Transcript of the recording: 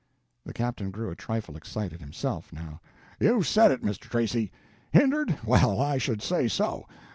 The captain grew a trifle excited, himself, now: "You've said it, Mr. Tracy!—Hindered? well, I should say so.